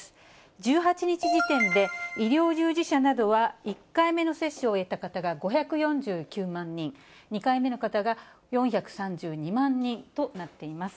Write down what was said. １８日時点で医療従事者などは１回目の接種を終えた方が５４９万人、２回目の方が４３２万人となっています。